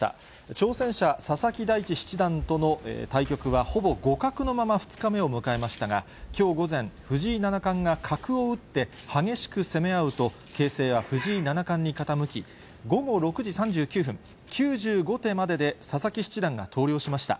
挑戦者、佐々木大地七段との対局は、ほぼ互角のまま２日目を迎えましたが、きょう午前、藤井七冠が角を打って激しく攻め合うと、形勢は藤井七冠に傾き、午後６時３９分、９５手までで佐々木七段が投了しました。